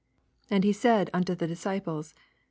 22 And he said unto the disciplefl.